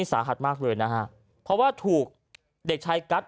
สาหัสมากเลยนะฮะเพราะว่าถูกเด็กชายกัส